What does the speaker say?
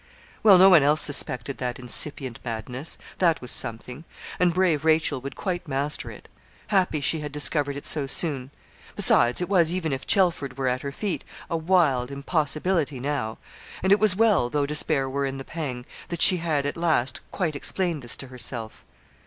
Well, no one else suspected that incipient madness that was something; and brave Rachel would quite master it. Happy she had discovered it so soon. Besides, it was, even if Chelford were at her feet, a wild impossibility now; and it was well, though despair were in the pang, that she had, at last, quite explained this to herself.